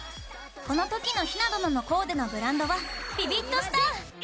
このときのひな殿のコーデのブランドはビビッドスター。